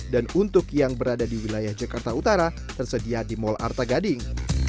dan untuk yang berada di wilayah jakarta utara tersedia di mall arta gading